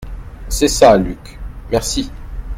C’est ça, Luc ! merci.